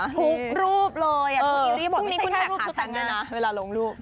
ทุกรูปเลยไม่ใช่แค่หาฉันด้วยนะเวลาลงรูป